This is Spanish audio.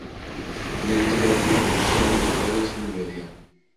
Tenía el título, una progresión de acordes y una melodía.